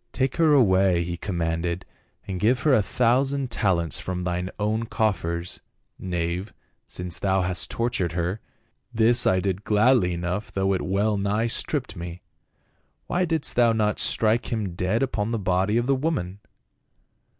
' Take her away,' he commanded, ' and give her a thousand talents — from thine own coffers, knave, since thou hast tortured her.' This I did gladly enough, though it well nigh stripped me." "Why didst thou not strike him dead upon the body of the woman?"